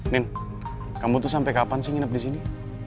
nin kamu tuh sampai kapan sih nginep disini